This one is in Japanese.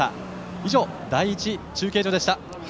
以上、第１中継所でした。